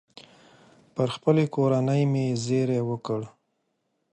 پر خپلې کورنۍ مې زېری وکړ.